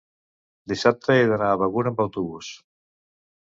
dissabte he d'anar a Begur amb autobús.